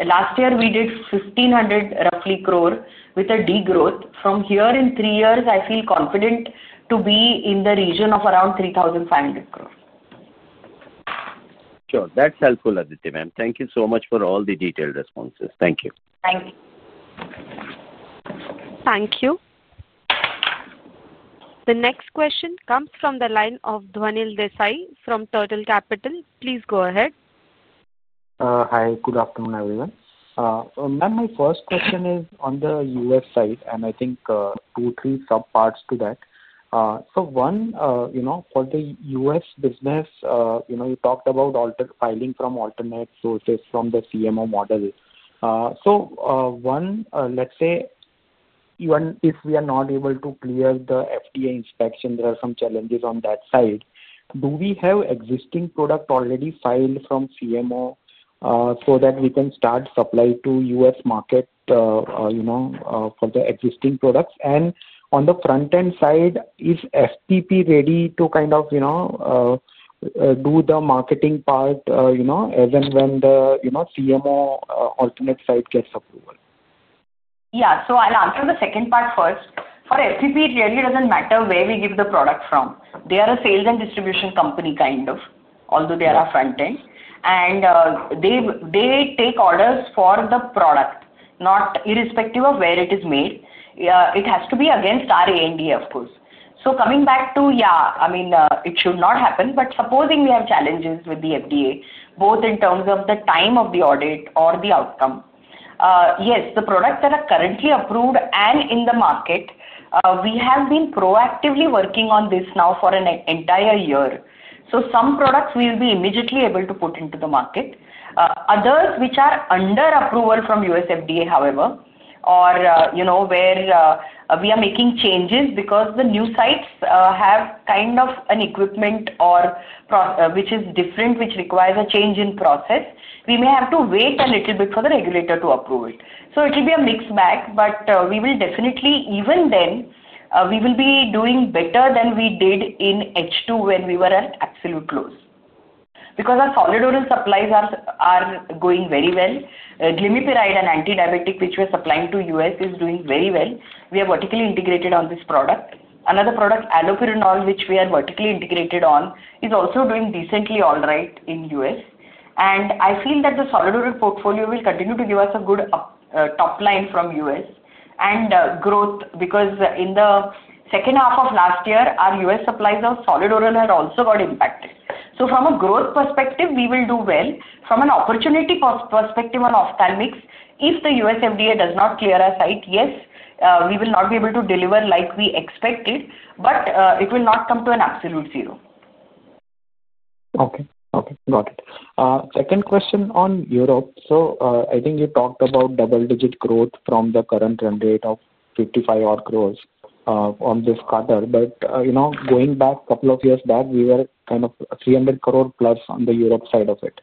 last year, we did 1,500 crore with a degrowth. From here in three years, I feel confident to be in the region of around 3,500 crore. Sure. That's helpful, Aditi ma'am. Thank you so much for all the detailed responses. Thank you. Thank you. Thank you. The next question comes from the line of Dhwanil Desai from Turtle Capital. Please go ahead. Hi. Good afternoon, everyone. Ma'am, my first question is on the US side, and I think two, three subparts to that. One, for the US business, you talked about filing from alternate sources from the CMO model. One, let's say, if we are not able to clear the FDA inspection, there are some challenges on that side. Do we have existing product already filed from CMO so that we can start supply to US market for the existing products? On the front-end side, is FPP ready to kind of do the marketing part as and when the CMO alternate side gets approval? Yeah. I'll answer the second part first. For FPP, it really doesn't matter where we give the product from. They are a sales and distribution company kind of, although they are our front-end. They take orders for the product, irrespective of where it is made. It has to be against our ANDA, of course. Coming back to, yeah, I mean, it should not happen. Supposing we have challenges with the FDA, both in terms of the time of the audit or the outcome. Yes, the products that are currently approved and in the market. We have been proactively working on this now for an entire year. Some products we will be immediately able to put into the market. Others, which are under approval from USFDA, however, or where we are making changes because the new sites have kind of an equipment. Which is different, which requires a change in process, we may have to wait a little bit for the regulator to approve it. It will be a mixed bag, but we will definitely, even then, we will be doing better than we did in H2 when we were at absolute close. Our solid oral supplies are going very well. Glimepiride and antidiabetic, which we are supplying to US, is doing very well. We are vertically integrated on this product. Another product, allopurinol, which we are vertically integrated on, is also doing decently all right in U.S.. I feel that the solid oral portfolio will continue to give us a good top line from US and growth because in the second half of last year, our US supplies of solid oral had also got impacted. From a growth perspective, we will do well. From an opportunity perspective on ophthalmics, if the USFDA does not clear our site, yes, we will not be able to deliver like we expected, but it will not come to an absolute zero. Okay. Okay. Got it. Second question on Europe. I think you talked about Double-Digit Growth from the current run rate of 55 crore on this quarter. Going back a couple of years, we were kind of 300 crore plus on the Europe side of it.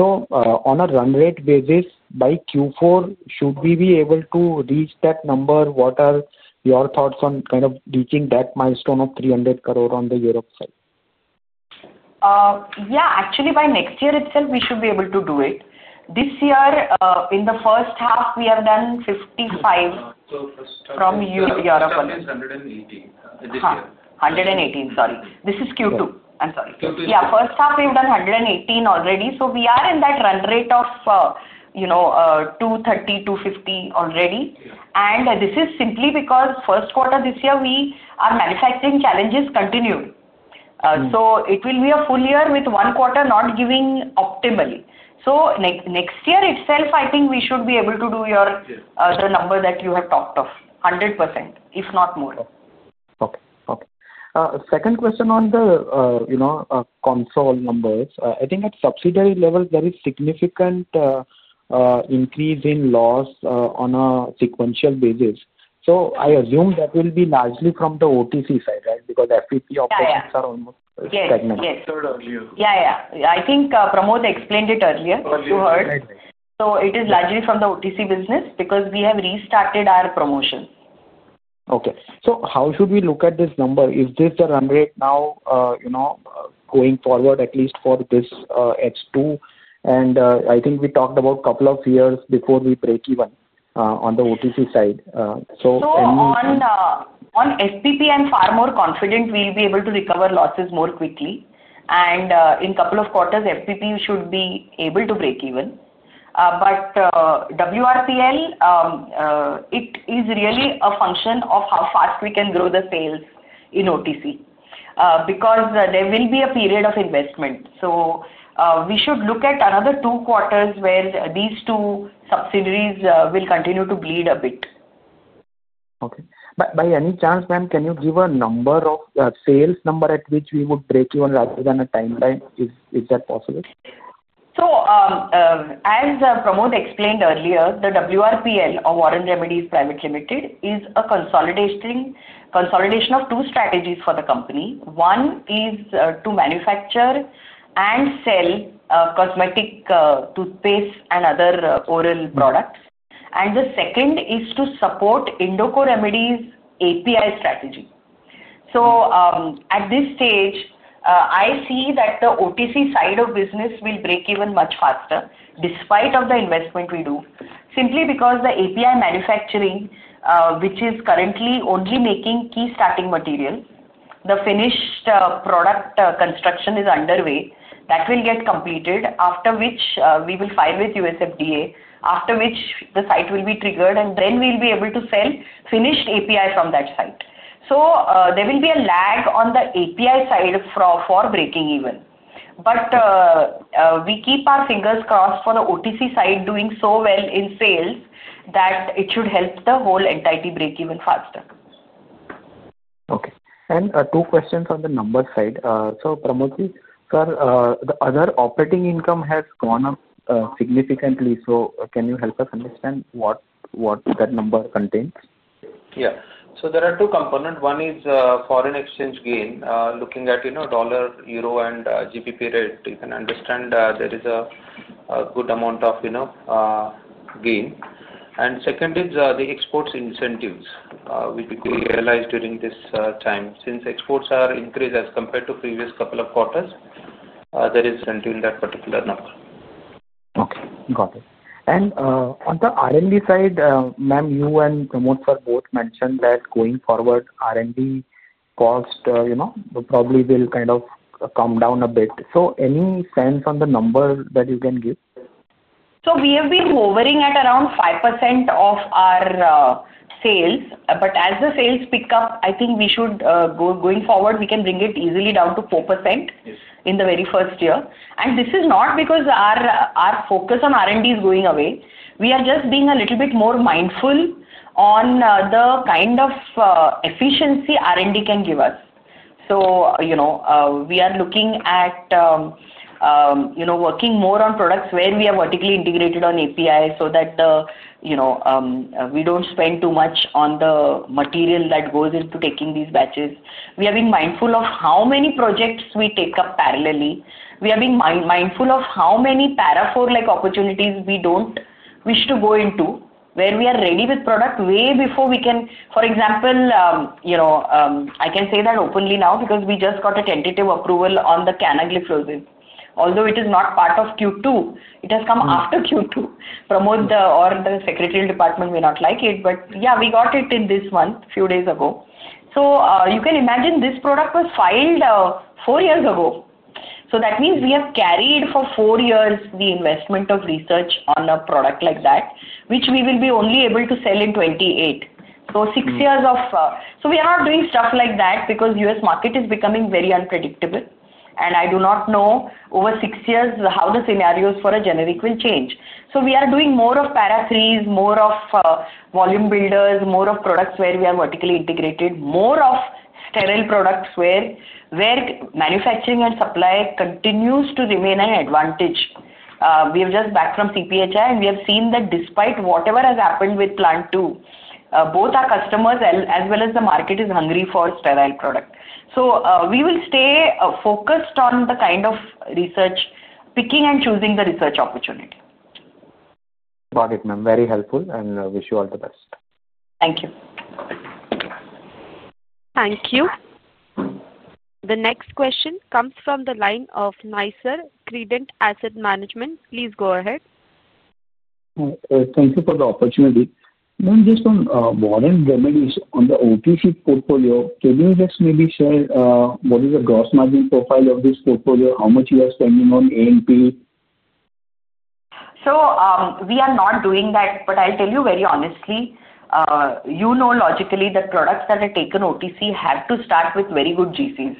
On a run rate basis, by Q4, should we be able to reach that number? What are your thoughts on reaching that milestone of 300 crore on the Europe side? Yeah. Actually, by next year itself, we should be able to do it. This year, in the first half, we have done 55. From Europe alone. 118 this year. 118, sorry. This is Q2. I'm sorry. Q2. Yeah. First half, we've done 118 already. We are in that run rate of 230-250 already. This is simply because first quarter this year, our manufacturing challenges continue. It will be a full year with one quarter not giving optimally. Next year itself, I think we should be able to do the number that you have talked of, 100%, if not more. Okay. Okay. Second question on the console numbers. I think at subsidiary level, there is significant increase in loss on a sequential basis. I assume that will be largely from the OTC side, right? Because FPP operations are almost stagnant. Yeah. Yeah. I think Pramod explained it earlier. You heard. It is largely from the OTC business because we have restarted our promotions. Okay. So how should we look at this number? Is this the run rate now? Going forward, at least for this H2? I think we talked about a couple of years before we break even on the OTC side. So any. On FTP, I'm far more confident we'll be able to recover losses more quickly. In a couple of quarters, FTP should be able to break even. WRPL is really a function of how fast we can grow the sales in OTC, because there will be a period of investment. We should look at another two quarters where these two subsidiaries will continue to bleed a bit. Okay. By any chance, ma'am, can you give a number of sales number at which we would break even rather than a timeline? Is that possible? As Pramod explained earlier, the WRPL, or Warren Remedies Private Limited, is a consolidation of two strategies for the company. One is to manufacture and sell cosmetic toothpaste and other oral products. The second is to support Indoco Remedies' API strategy. At this stage, I see that the OTC side of business will break even much faster, despite the investment we do, simply because the API manufacturing, which is currently only making key starting materials, the finished product construction is underway. That will get completed, after which we will file with USFDA, after which the site will be triggered, and then we'll be able to sell finished API from that site. There will be a lag on the API side for breaking even. We keep our fingers crossed for the OTC side doing so well in sales that it should help the whole entirety break even faster. Okay. Two questions on the number side. Pramodji, sir, the other operating income has gone up significantly. Can you help us understand what that number contains? Yeah. There are two components. One is foreign exchange gain, looking at dollar, euro, and GBP rate. You can understand there is a good amount of gain. The second is the exports incentives, which we realized during this time. Since exports are increased as compared to previous couple of quarters, there is incentive in that particular number. Okay. Got it. On the R&D side, ma'am, you and Pramod sir both mentioned that going forward, R&D cost probably will kind of come down a bit. Any sense on the number that you can give? We have been hovering at around 5% of our sales. As the sales pick up, I think we should, going forward, we can bring it easily down to 4% in the very first year. This is not because our focus on R&D is going away. We are just being a little bit more mindful on the kind of efficiency R&D can give us. We are looking at working more on products where we are vertically integrated on API so that we do not spend too much on the material that goes into taking these batches. We are being mindful of how many projects we take up parallelly. We are being mindful of how many parafor-like opportunities we do not wish to go into, where we are ready with product way before we can. For example. I can say that openly now because we just got a tentative approval on the Canagliflozin. Although it is not part of Q2, it has come after Q2. Pramod or the secretarial department may not like it, but yeah, we got it in this month, a few days ago. You can imagine this product was filed four years ago. That means we have carried for four years the investment of research on a product like that, which we will be only able to sell in 2028. Six years of. We are not doing stuff like that because the US market is becoming very unpredictable. I do not know over six years how the scenarios for a generic will change. We are doing more of parapheries, more of volume builders, more of products where we are vertically integrated, more of sterile products where. Manufacturing and supply continues to remain an advantage. We have just backed from CPHI, and we have seen that despite whatever has happened with plant 2, both our customers as well as the market is hungry for sterile product. We will stay focused on the kind of research, picking and choosing the research opportunity. Got it, ma'am. Very helpful, and wish you all the best. Thank you. Thank you. The next question comes from the line of NYSERC, Credent Asset Management. Please go ahead. Thank you for the opportunity. Ma'am, just on Warren Remedies on the OTC portfolio, can you just maybe share what is the gross margin profile of this portfolio? How much you are spending on A&P? We are not doing that. I'll tell you very honestly. You know logically that products that are taken OTC have to start with very good GCs.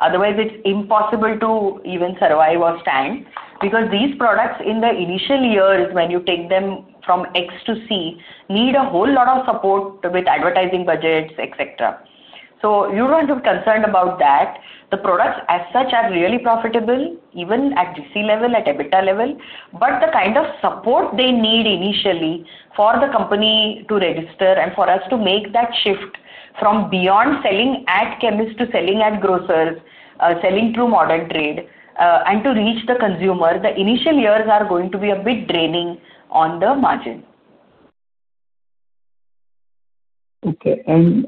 Otherwise, it's impossible to even survive or stand because these products in the initial years, when you take them from X to C, need a whole lot of support with advertising budgets, etc. You don't have to be concerned about that. The products as such are really profitable, even at GC level, at EBITDA level. The kind of support they need initially for the company to register and for us to make that shift from beyond selling at chemists to selling at grocers, selling through modern trade, and to reach the consumer, the initial years are going to be a bit draining on the margin. Okay. Ma'am,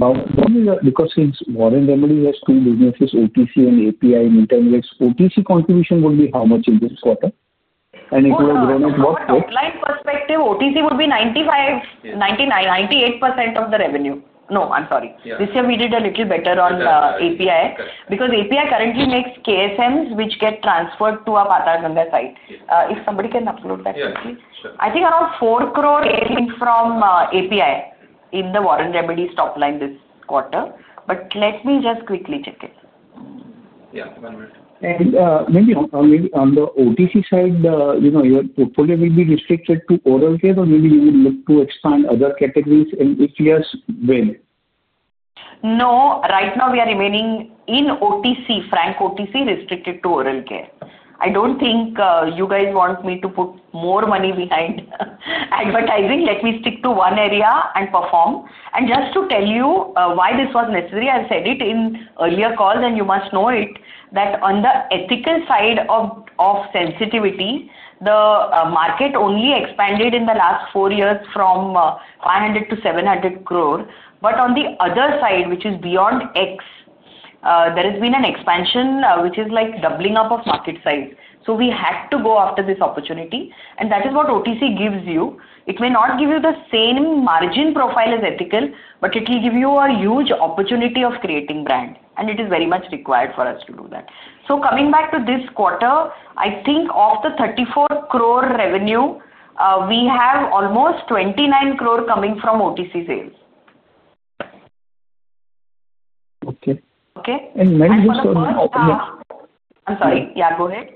tell me that because since Warren Remedies has two businesses, OTC and API, in terms of OTC contribution, would be how much in this quarter? If you are growing, at what rate? From a headline perspective, OTC would be 99% to 98% of the revenue. No, I'm sorry. This year we did a little better on API because API currently makes KSMs, which get transferred to our Patharganga site. If somebody can upload that quickly. I think around 40 crore came from API in the Warren Remedies top line this quarter. Let me just quickly check it. Yeah. One minute. Maybe on the OTC side, your portfolio will be restricted to oral care, or maybe you would look to expand other categories? If yes, when? No. Right now, we are remaining in OTC, frank OTC, restricted to oral care. I do not think you guys want me to put more money behind advertising. Let me stick to one area and perform. Just to tell you why this was necessary, I have said it in earlier calls, and you must know it, that on the ethical side of sensitivity, the market only expanded in the last four years from 500 crore to 700 crore. On the other side, which is beyond X, there has been an expansion, which is like doubling up of market size. We had to go after this opportunity. That is what OTC gives you. It may not give you the same margin profile as ethical, but it will give you a huge opportunity of creating brand. It is very much required for us to do that. Coming back to this quarter, I think of the 34 crore revenue, we have almost 29 crore coming from OTC sales. Okay. Many of us are not. I'm sorry. Yeah, go ahead.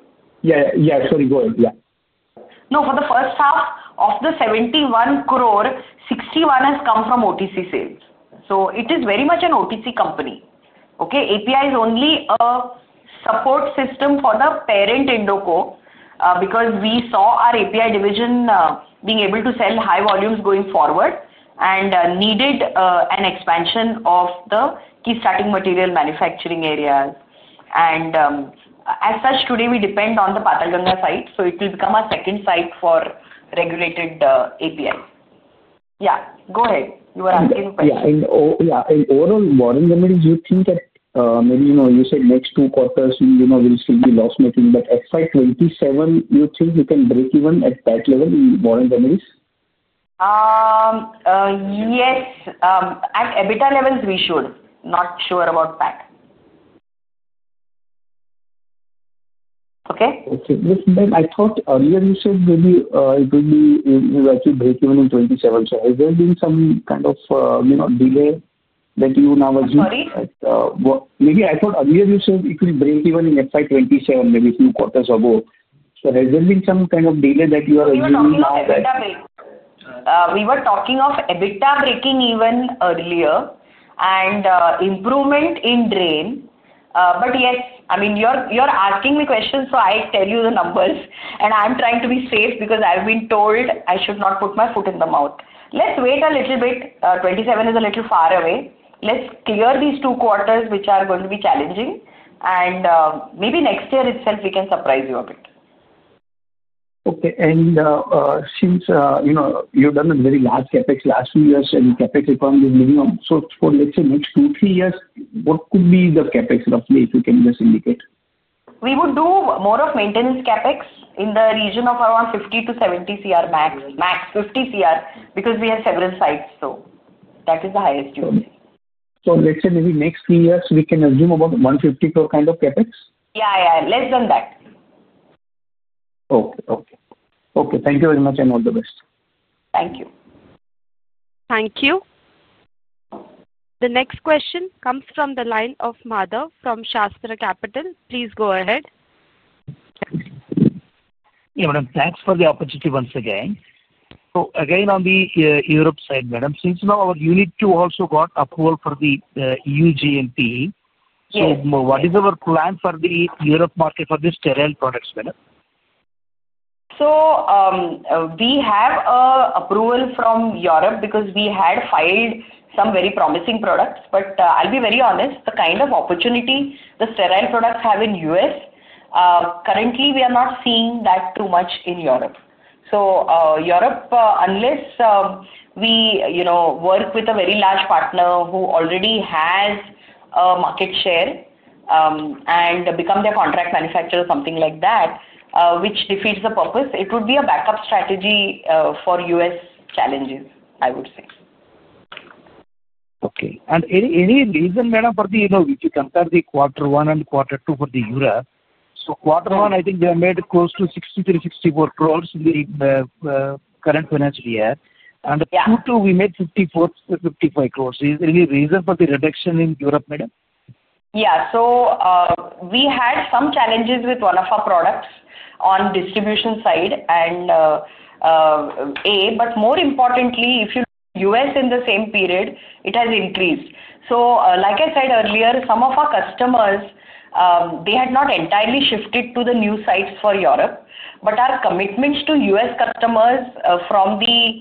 Yeah. Sorry. Go ahead. No, for the first half of the 71 crore, 61 million has come from OTC sales. It is very much an OTC company. API is only a support system for the parent Indoco because we saw our API division being able to sell high volumes going forward and needed an expansion of the key starting material manufacturing areas. As such, today we depend on the Patalganga site. It will become our second site for regulated API. Yeah. Go ahead. You were asking questions. Yeah. Overall, Warren Remedies, you think that maybe you said next two quarters will still be loss-making, but FY 2027, you think you can break even at that level in Warren Remedies? Yes. At EBITDA levels, we should. Not sure about that. Okay. Okay. Ma'am, I thought earlier you said maybe it will be you actually break even in 2027. So has there been some kind of delay that you now assume? Sorry? Maybe I thought earlier you said it will break even in FY 2027, maybe a few quarters ago. Has there been some kind of delay that you are assuming now? We were talking of EBITDA breaking even earlier and improvement in drain. Yes, I mean, you're asking me questions, so I tell you the numbers. I'm trying to be safe because I've been told I should not put my foot in the mouth. Let's wait a little bit. 2027 is a little far away. Let's clear these two quarters, which are going to be challenging. Maybe next year itself, we can surprise you a bit. Okay. Since you've done a very large CapEx last few years and CapEx requirement is minimum, let's say next two, three years, what could be the CapEx roughly if you can just indicate? We would do more of maintenance CapEx in the region of around 50 to 70 crore max, max 50 crore because we have several sites. So that is the highest you can. Let's say maybe next three years, we can assume about 150 crore kind of CapEx? Yeah. Yeah. Less than that. Okay. Thank you very much and all the best. Thank you. Thank you. The next question comes from the line of Madhav from Shastra Capital. Please go ahead. Yeah, ma'am. Thanks for the opportunity once again. Again, on the Europe side, ma'am, since now our unit two also got approval for the EU GMP. What is our plan for the Europe market for the sterile products, ma'am? We have approval from Europe because we had filed some very promising products. I'll be very honest, the kind of opportunity the sterile products have in the U.S., currently, we are not seeing that too much in Europe. Europe, unless we work with a very large partner who already has a market share and become their contract manufacturer, something like that, which defeats the purpose, it would be a backup strategy for U.S. challenges, I would say. Okay. Any reason, ma'am, for the if you compare the quarter one and Q2 for Europe? Q1, I think they have made close to 60- 64 crore in the current financial year. And the Q2, we made 54-55 crore. Is there any reason for the reduction in Europe, ma'am? Yeah. So we had some challenges with one of our products on the distribution side and, but more importantly, if you look at U.S. in the same period, it has increased. Like I said earlier, some of our customers, they had not entirely shifted to the new sites for Europe, but our commitments to US customers from the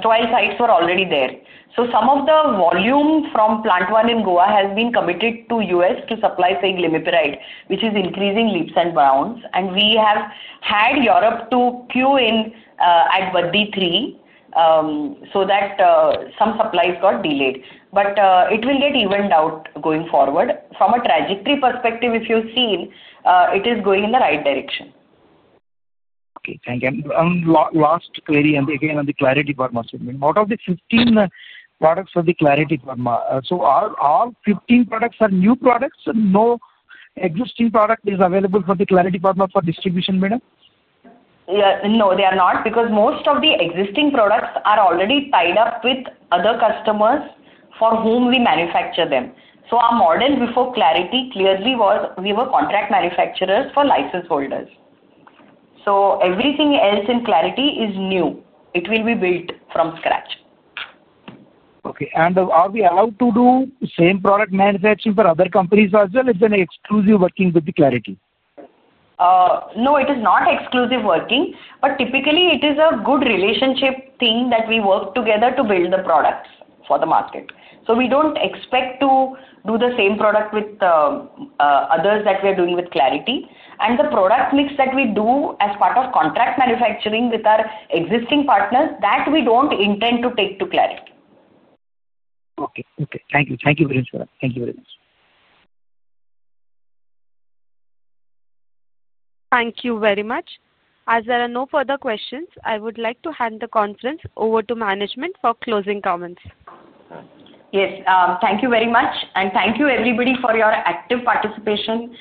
sterile sites were already there. Some of the volume from plant one in Goa has been committed to US to supply, say, glimepiride, which is increasing leaps and bounds. We have had Europe to queue in at Baddi 3, so that some supplies got delayed. It will get evened out going forward. From a trajectory perspective, if you've seen, it is going in the right direction. Okay. Thank you. Last query again on the Clarity Pharma, ma'am. Out of the 15 products of the Clarity Pharma, so all 15 products are new products? No existing product is available for the Clarity Pharma for distribution, ma'am? No, they are not because most of the existing products are already tied up with other customers for whom we manufacture them. Our model before Clarity clearly was we were contract manufacturers for license holders. Everything else in Clarity is new. It will be built from scratch. Okay. Are we allowed to do same product manufacturing for other companies as well? It's an exclusive working with Clarity? No, it is not exclusive working. But typically, it is a good relationship thing that we work together to build the products for the market. So we do not expect to do the same product with others that we are doing with Clarity. And the product mix that we do as part of contract manufacturing with our existing partners, that we do not intend to take to Clarity. Okay. Thank you very much, ma'am. Thank you very much. Thank you very much. As there are no further questions, I would like to hand the conference over to management for closing comments. Yes. Thank you very much. Thank you, everybody, for your active participation.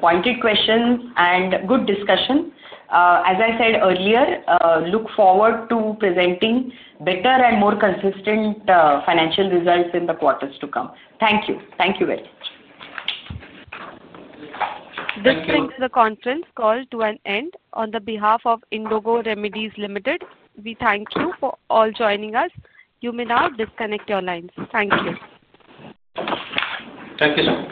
Pointed questions, and good discussion. As I said earlier, look forward to presenting better and more consistent financial results in the quarters to come. Thank you. Thank you very much. This brings the conference call to an end. On behalf of Indoco Remedies Limited, we thank you for all joining us. You may now disconnect your lines. Thank you. Thank you.